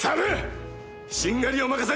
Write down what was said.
しんがりを任せる！